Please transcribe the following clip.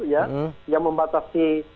ya yang membatasi